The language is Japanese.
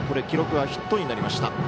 記録はヒットになりました。